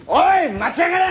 待ちやがれ！